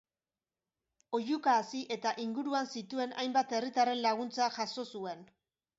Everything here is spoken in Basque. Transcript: Oihuka hasi eta inguruan zituen hainbat herritarren laguntza jaso zuen.